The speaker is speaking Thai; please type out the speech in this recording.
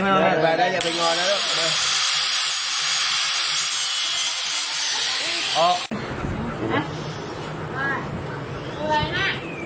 มันจะเจ็บไง